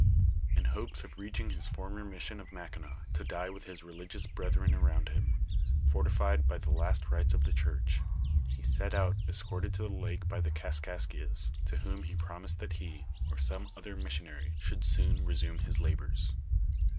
In hopes of reaching his former mission of Mackinaw to die with his religious brethren around him, fortified by the last rites of the church, he set out escorted to the lake by the Kaskaskias, to whom he promised that he, or some other mis* Bionary should soon resume his labors.